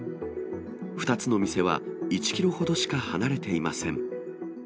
２つの店は１キロほどしか離れていません。